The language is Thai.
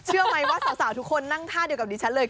เชื่อไหมว่าสาวทุกคนนั่งท่าเดียวกับดิฉันเลย